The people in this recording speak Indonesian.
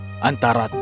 kau harus memperbaikinya